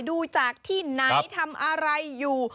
ดูจากที่ไหนทำอะไรอยู่